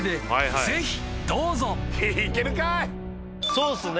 そうっすね。